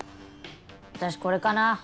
私これかな。